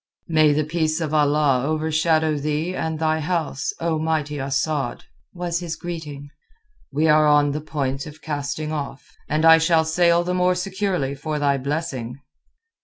"May the peace of Allah overshadow thee and thy house, O mighty Asad," was his greeting. "We are on the point of casting off, and I shall sail the more securely for thy blessing."